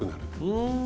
うん。